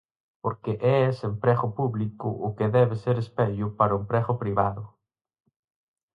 Porque é ese emprego público o que debe ser espello para o emprego privado.